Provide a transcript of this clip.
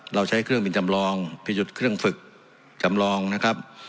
เราใช้เครื่องบินจำลองพิหยุดเครื่องฝึกจำลองนะครับ